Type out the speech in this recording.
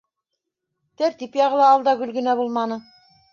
Тәртип яғы ла ал да гөл генә булманы.